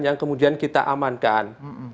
yang kemudian kita amankan